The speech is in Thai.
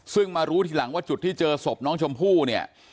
ซึ่งมารู้ทีหลังว่าจุดที่เจอศพน้องชมพู่เนี่ย